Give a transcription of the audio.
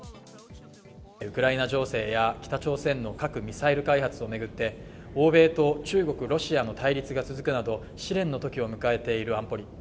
ウクライナ情勢や北朝鮮の核・ミサイル開発を巡って欧米と中国、ロシアの対立が続くなど試練の時を迎えている安保理。